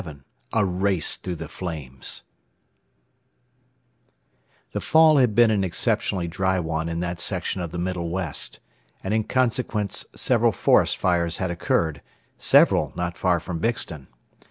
VII A RACE THROUGH THE FLAMES The fall had been an exceptionally dry one in that section of the middle west, and in consequence several forest fires had occurred, several not far from Bixton.